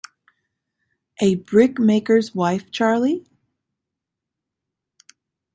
A brickmaker's wife, Charley?